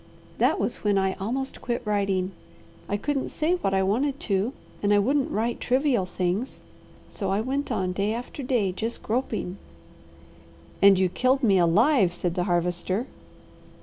That was when I almost quit writing. I couldn't say what I wanted to, and I wouldn't write trivial things, so I went on day after day just groping." "And you killed me alive," said the Harvester.